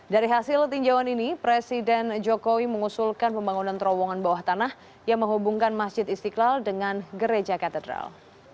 dari hasil tinjauan ini presiden jokowi mengusulkan pembangunan terowongan bawah tanah yang menghubungkan masjid istiqlal dengan gereja katedral